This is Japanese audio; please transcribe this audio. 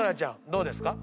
どうですか？